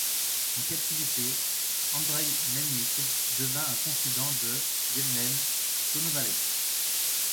En captivité, Andriy Melnyk devint un confident de Yevhen Konovalets.